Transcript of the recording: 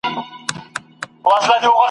د نن سبا په هیله !.